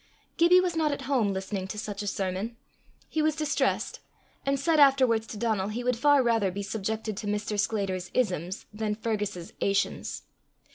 Gibbie was not at home listening to such a sermon; he was distressed, and said afterwards to Donal he would far rather be subjected to Mr. Sclater's isms than Fergus's ations.